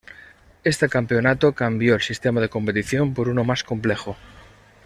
Este campeonato cambió el sistema de competición por uno más complejo.